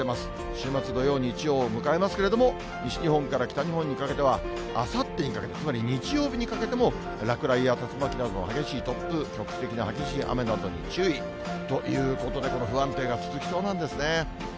週末土曜、日曜を迎えますけれども、西日本から北日本にかけては、あさってにかけて、つまり日曜日にかけても落雷や竜巻などの激しい突風、局地的な激しい雨などに注意ということで、この不安定が続きそうなんですね。